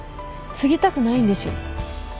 継ぎたくないんでしょ？